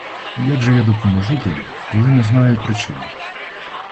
Як же я допоможу тобі, коли не знаю причини.